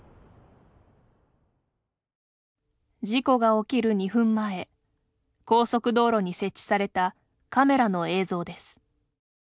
事故が起きる２分前高速道路に設置されたカメラの映像です。